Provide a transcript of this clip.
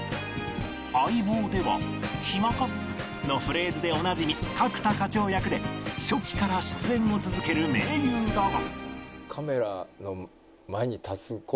『相棒』では「暇か？」のフレーズでおなじみ角田課長役で初期から出演を続ける名優だが